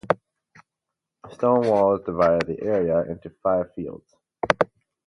Stone walls divided the area into five fields.